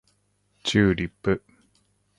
チューリップ